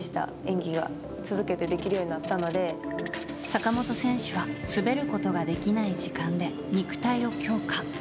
坂本選手は滑ることができない時間で肉体を強化。